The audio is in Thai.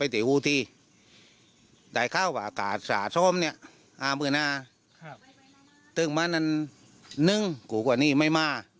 มาถึงวันนั้นนึงของกระนิดนี้คุกว่านี้ไม่มา